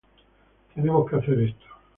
Tenemos que hacer esto".